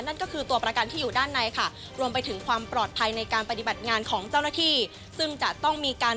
นั่นก็คือตัวประกันที่อยู่ด้านในค่ะ